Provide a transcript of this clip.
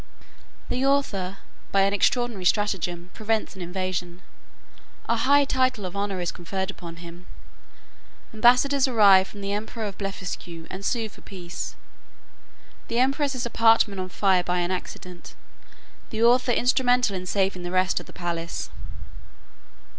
The author, by an extraordinary stratagem, prevents an invasion. A high title of honour is conferred upon him. Ambassadors arrive from the emperor of Blefuscu, and sue for peace. The empress's apartment on fire by an accident; the author instrumental in saving the rest of the palace.